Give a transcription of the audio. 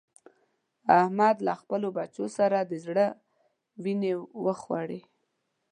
احمد له خپلو بچو سره د زړه وينې وخوړې.